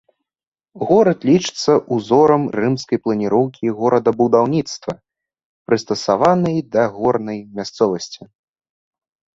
Горад лічыцца ўзорам рымскай планіроўкі горадабудаўніцтва, прыстасаванай да горнай мясцовасці.